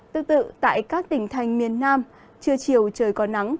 tương tự tại các tỉnh thành miền nam trưa chiều trời có nắng